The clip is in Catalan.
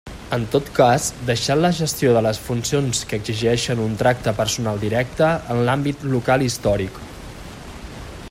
En tot cas, deixant la gestió de les funcions que exigeixen un tracte personal directe en l'àmbit local històric.